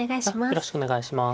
よろしくお願いします。